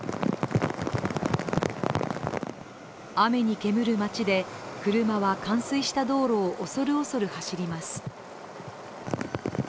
雨に煙る街で、車は冠水した道路を恐る恐る走ります。